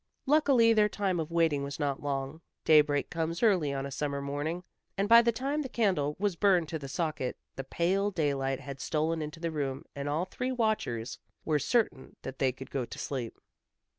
Luckily their time of waiting was not long. Daybreak comes early on a summer morning, and by the time the candle was burned to the socket, the pale daylight had stolen into the room and all three watchers were certain that they could go to sleep.